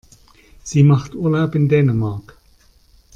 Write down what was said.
Sie macht Urlaub in Dänemark.